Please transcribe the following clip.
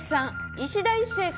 いしだ壱成さん